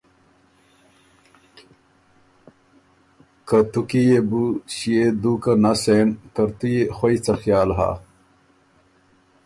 که تُو کی يې بو ݭيې دُوکه نسېن، ترتُو يې خوئ څه خیال هۀ؟